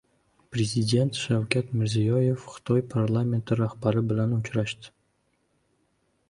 Prezident Shavkat Mirziyoyev Xitoy parlamenti rahbari bilan uchrashdi